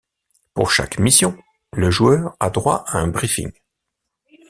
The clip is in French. Pour chaque mission, le joueur a droit à un briefing.